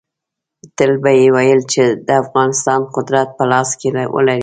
تل به یې ویل چې د افغانستان قدرت په لاس کې ولري.